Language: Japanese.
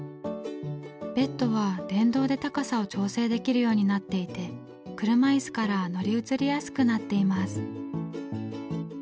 ベッドは電動で高さを調整できるようになっていて車いすから乗り移りやすくなっています。